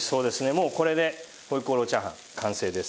もうこれで回鍋肉チャーハン完成です。